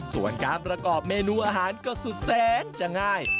ส่วนการประกอบเมนูอาหารก็สุดแสนจะง่าย